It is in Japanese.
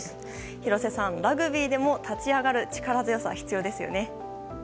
廣瀬さん、ラグビーでも立ち上がる力強さ必要ですよね。